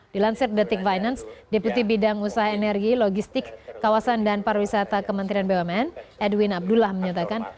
di lansir the tick finance deputi bidang usaha energi logistik kawasan dan parwisata kementerian bumn edwin abdullah menyatakan